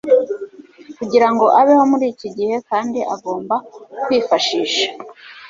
kugirango abeho muri iki gihe, kandi agomba kwifashisha